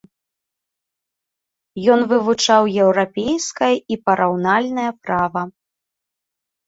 Ён вывучаў еўрапейскае і параўнальнае права.